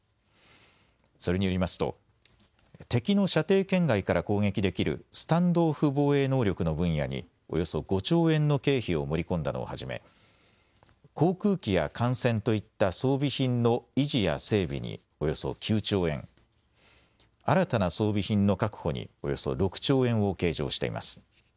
それによりますと敵の射程圏外から攻撃できるスタンド・オフ防衛能力の分野におよそ５兆円の経費を盛り込んだのをはじめ、航空機や艦船といった装備品の維持や整備におよそ９兆円、新たな装備品の確保におよそ６兆円を計上しています。